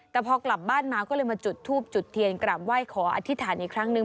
แต่พอกลับบ้านมาก็เลยมาจุดทูบจุดเทียนกราบไหว้ขออธิษฐานอีกครั้งนึง